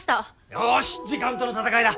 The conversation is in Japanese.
よし時間との闘いだ！